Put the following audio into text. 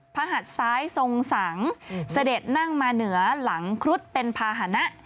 หัดซ้ายทรงสังเสด็จนั่งมาเหนือหลังครุฑเป็นภาษณะ